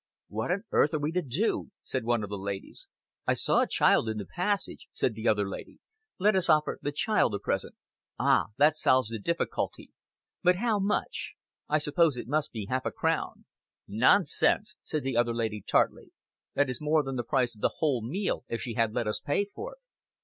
"What on earth are we to do?" said one of the ladies. "I saw a child in the passage," said the other lady. "Let us offer the child a present." "Ah. That solves the difficulty. But how much? I suppose it must be half a crown." "Nonsense!" said the other lady, tartly. "That is more than the price of the whole meal if she had let us pay for it.